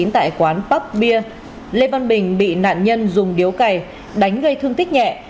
tại quán pub beer lê văn bình bị nạn nhân dùng điếu cày đánh gây thương tích nhẹ